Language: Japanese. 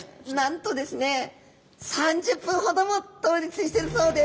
なんとですね３０分ほども倒立してるそうです。